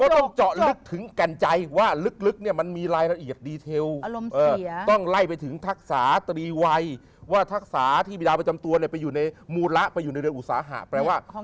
ต้องเจาะลึกถึงแก่นใจว่าลึกเนี่ยมันมีรายละเอียดดีเทลต้องไล่ไปถึงทักษาตรีวัยว่าทักษะที่มีดาวประจำตัวไปอยู่ในมูลละไปอยู่ในเรืออุตสาหะแปลว่า